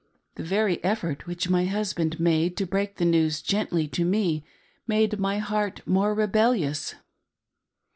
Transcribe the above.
The very effort which my husband made to break the news gently to me made my heart more rebellious.